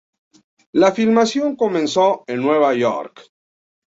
La filmación comenzó en Nueva York.